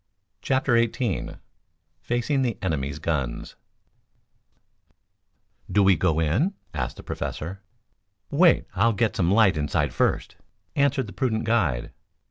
CHAPTER XVIII FACING THE ENEMY'S GUNS "Do we go in?" asked the Professor. "Wait, I'll get some light inside first," answered the prudent guide.